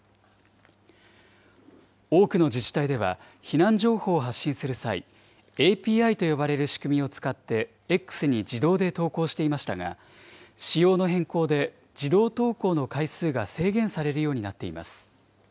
多くの自治体では、避難情報を発信する際、ＡＰＩと呼ばれる仕組みを使って、Ｘに自動で投稿していましたが、仕様の変更で、自動投稿の回数が制限されるようになっています。